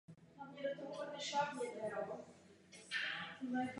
Atrium u vchodu je podporované dvěma kamennými sloupy a pokryté dřevěnými trámy.